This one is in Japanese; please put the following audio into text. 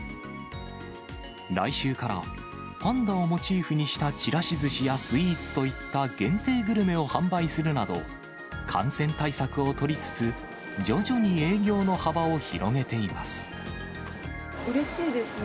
来週から、パンダをモチーフにしたちらしずしやスイーツといった限定グルメを販売するなど、感染対策を取りつつ、うれしいですね。